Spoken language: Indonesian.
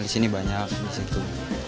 di sini banyak di situ